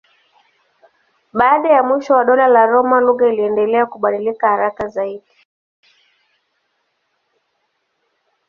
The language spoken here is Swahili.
Baada ya mwisho wa Dola la Roma lugha iliendelea kubadilika haraka zaidi.